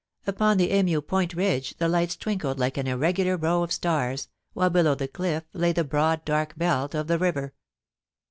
Upon the Emu Point ridge the lights twinkled like an irregular row of stars, while below the cliff lay the broad dark belt of the river.